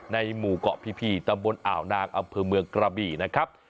หมู่เกาะพีตำบลอ่าวนางอำเภอเมืองกระบี่นะครับ